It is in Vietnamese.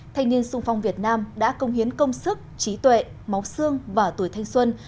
thanh niên sung phong việt nam đã công hiến công sức trí tuệ máu xương và tuổi thanh xuân